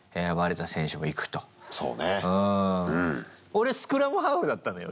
俺スクラムハーフだったのよ。